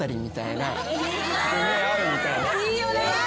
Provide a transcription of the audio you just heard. いいよな！